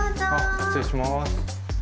失礼します。